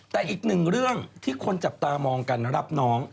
แต่อีกหนึ่งเรื่องที่คนจับตามองกันรับน้อง